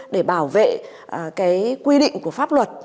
để bảo vệ cái quy định của pháp luật